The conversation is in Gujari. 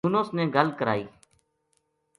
یونس نے گل کرائی